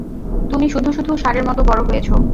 তুমি শুধু-শুধু ষাঁড়ের মতো বড় হয়েছ।